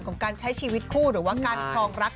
ของการใช้ชีวิตคู่หรือว่าการครองรัก